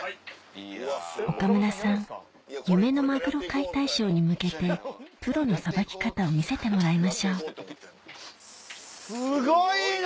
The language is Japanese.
解体ショーに向けてプロのさばき方を見せてもらいましょうすごいな。